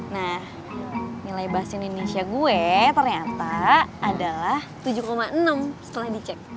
nah nilai bahasa indonesia gue ternyata adalah tujuh enam setelah dicek